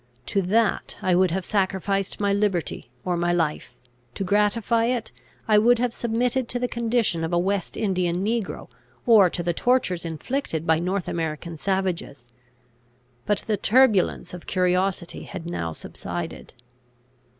To that I would have sacrificed my liberty or my life; to gratify it, I would have submitted to the condition of a West Indian negro, or to the tortures inflicted by North American savages. But the turbulence of curiosity had now subsided.